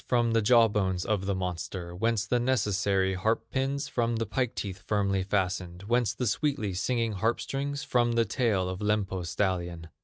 From the jaw bones of the monster. Whence the necessary harp pins? From the pike teeth firmly fastened. Whence the sweetly singing harp strings? From the tail of Lempo's stallion.